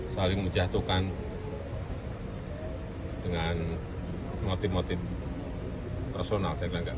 saling menjatuhkan dengan motif motif personal saya kira enggak